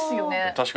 確かに。